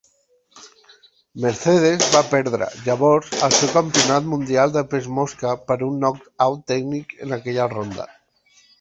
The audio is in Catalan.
Mercedes va perdre, llavors, el seu campionat mundial de pes mosca per un 'knock-out' tècnic en aquella ronda.